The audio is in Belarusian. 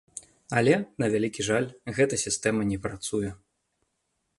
Але, на вялікі жаль, гэта сістэма не працуе.